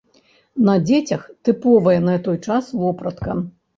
На дзецях тыповая на той час вопратка.